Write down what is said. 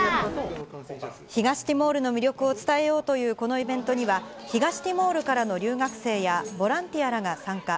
東ティモールの魅力を伝えようというこのイベントには、東ティモールからの留学生や、ボランティアらが参加。